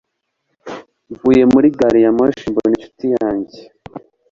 Mvuye muri gari ya moshi, mbona inshuti yanjye.